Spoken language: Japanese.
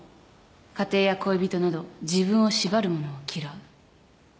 家庭や恋人など自分を縛るものを嫌う。